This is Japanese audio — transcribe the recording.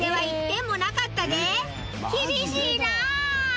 厳しいなあ！